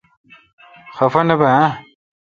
خفہ نہ بہ اؘ۔